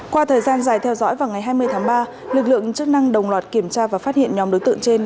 qua thời gian dài theo dõi vào ngày hai mươi tháng ba lực lượng chức năng đồng loạt kiểm tra và phát hiện nhóm đối tượng trên